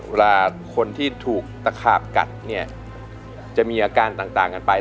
เวลาคนที่ถูกตะขาบกัดเนี่ยจะมีอาการต่างกันไป